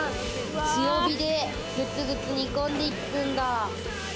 強火でグツグツ煮込んでいくんだ。